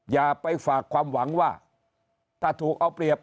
อย่าไปฝากความหวังว่าถ้าถูกเอาเปรียบ